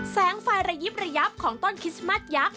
แสงไฟระยิบระยับของต้นคริสต์มัสยักษ